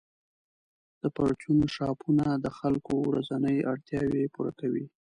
د پرچون شاپونه د خلکو ورځنۍ اړتیاوې پوره کوي.